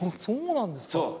そうなんですか。